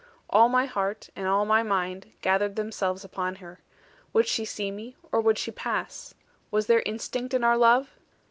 All my heart, and all my mind, gathered themselves upon her. Would she see me, or would she pass? Was there instinct in our love?